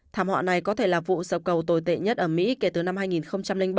thảm họa này có thể là vụ sập cầu tồi tệ nhất ở mỹ kể từ năm hai nghìn bảy